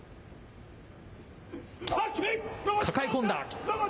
抱え込んだ。